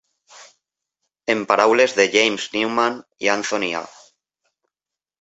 En paraules de James Newman i Anthony A.